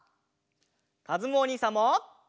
かずむおにいさんも。